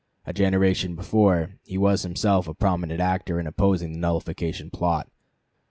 A generation before, he was himself a prominent actor in opposing the nullification plot.